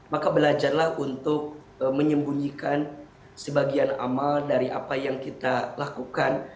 maka belajarlah untuk menyembunyikan sebagian amal dari apa yang kita lakukan